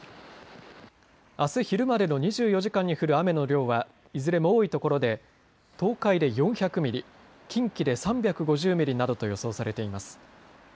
あす昼までの２４時間に降る雨の量はいずれも多いところで東海で４００ミリ、近畿で３５０ミリなどと予想されています。